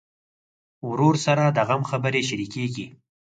ورور سره د غم خبرې شريکېږي.